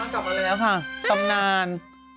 กลับมาแล้วค่ะตำนาน